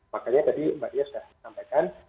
makanya tadi mbak dia sudah sampaikan